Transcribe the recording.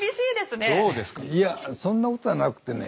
いやそんなことはなくてね。